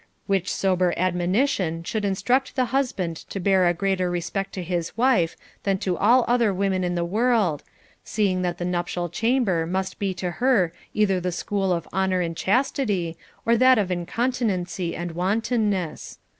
Which sober admonition should instruct the hus band to bear a greater respect to his wife than to all other women in the world, seeing that the nuptial chamber must be to her either the school of honor and chastity or that of incontinency and wantonness.